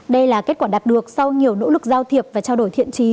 đây là kết quả đạt được sau nhiều nỗ lực giao thiệp và trao đổi thiện trí